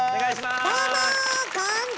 どうも！